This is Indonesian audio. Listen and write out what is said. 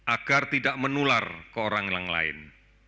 agar tidak menular ke orang yang lain